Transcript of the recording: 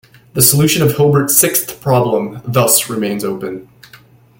The solution of Hilbert's sixth problem thus remains open.